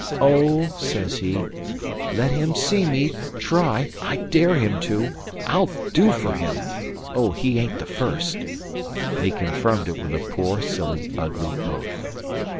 "O," says he, "let me see him try; I dare him to; I'll do for him! O, he ain't the first!" And he confirmed it with a poor, silly, ugly oath.